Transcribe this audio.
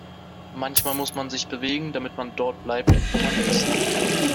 Manchmal muss man sich bewegen, damit man dort bleibt, wo man ist.